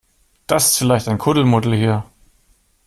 Das ist vielleicht ein Kuddelmuddel hier.